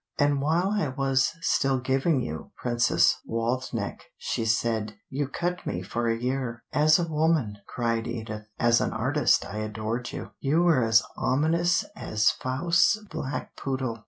"And while I was still giving you 'Princess Waldenech'," she said, "you cut me for a year." "As a woman," cried Edith; "as an artist I adored you. You were as ominous as Faust's black poodle.